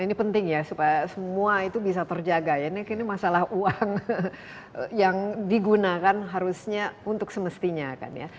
ini penting ya supaya semua itu bisa terjaga ya ini masalah uang yang digunakan harusnya untuk semestinya kan ya